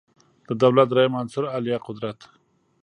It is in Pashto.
د دولت دریم عنصر عالیه قدرت